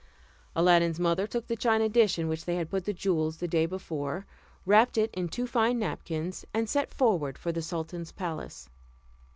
Aladdin's mother took the china dish, in which they had put the jewels the day before, wrapped it in two fine napkins, and set forward for the sultan's palace.